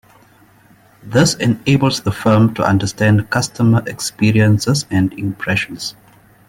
This enables the firm to understand customer experiences and impressions.